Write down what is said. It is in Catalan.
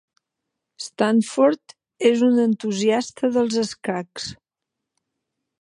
Stanford és un entusiasta dels escacs.